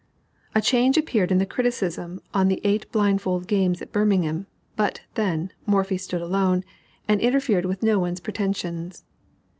A change appeared in the criticism on the eight blindfold games at Birmingham, but, then, Morphy stood alone, and interfered with no one's pretensions.